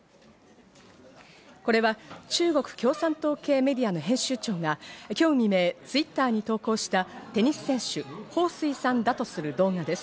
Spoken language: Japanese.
これは、中国共産党系メディアの編集長が今日未明、Ｔｗｉｔｔｅｒに投稿した、テニス選手、ホウ・スイさんだとする動画です。